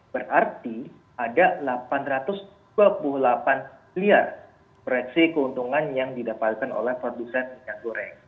berarti ada delapan ratus dua puluh delapan miliar proyeksi keuntungan yang didapatkan oleh produsen minyak goreng